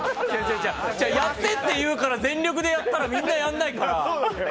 やってって言うから全力でやったらみんなやらないから！